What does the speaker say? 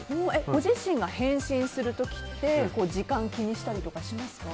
ご自身が返信する時って時間を気にしたりしますか？